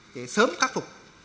để sớm khắc phục